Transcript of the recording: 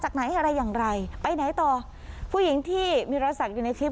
เขาปิดแมนอยู่เลย